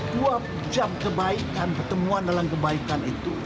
dua jam kebaikan pertemuan dalam kebaikan itu